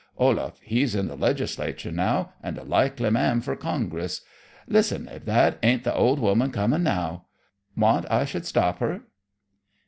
Olaf, he's in the Legislature now, and a likely man fur Congress. Listen, if that ain't the old woman comin' now. Want I should stop her?"